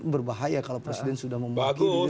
berbahaya kalau presiden sudah memiliki